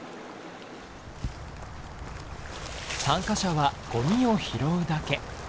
参加者はゴミを拾うだけ。